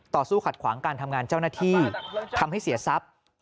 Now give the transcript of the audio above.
ต่อสู้ขัดขวางการทำงานเจ้าหน้าที่ทำให้เสียทรัพย์